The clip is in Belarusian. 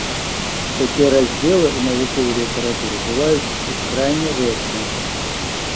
І такія раздзелы ў навуковай літаратуры бываюць крайне рэдка.